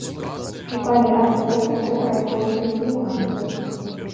Шукалі аргтэхніку, рахункі, квітанцыі.